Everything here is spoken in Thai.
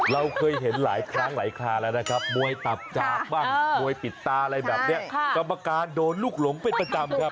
เราเคยเห็นหลายครั้งหลายคราแล้วนะครับมวยตับจากบ้างมวยปิดตาอะไรแบบนี้กรรมการโดนลูกหลงเป็นประจำครับ